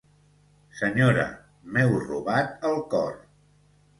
Senyora, m'heu robat el cor.